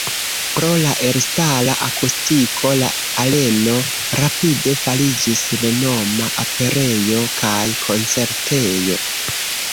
Pro la elstara akustiko la areno rapide fariĝis renoma operejo kaj koncertejo.